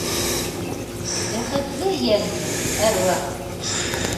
- Бәхетле йән һин, әруах!